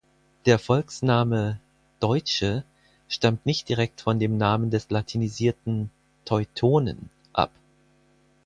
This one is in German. Der Volksname "Deutsche" stammt nicht direkt von dem Namen des latinisierten „Teutonen“ ab.